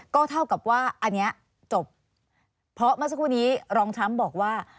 ก็เท่ากับว่าอันนี้จบเพราะเมื่อสักครู่นี้รองทรัมป์บอกว่า